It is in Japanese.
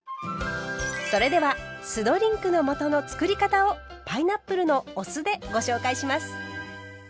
それでは酢ドリンクの素のつくり方をパイナップルのお酢でご紹介します。